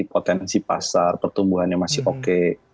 potensi pasar pertumbuhannya masih oke